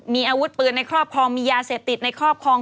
มีอาวุธปืนในครอบครองมียาเสพติดในครอบครอง